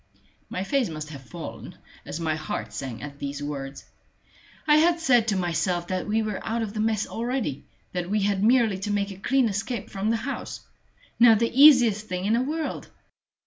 My face must have fallen, as my heart sank at these words. I had said to myself that we were out of the mess already that we had merely to make a clean escape from the house now the easiest thing in the world.